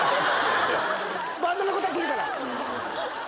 バンドの子たちいるから。